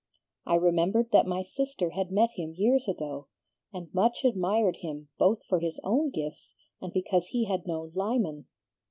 I remembered that my sister had met him years ago, and much admired him both for his own gifts and because he had known Lyman.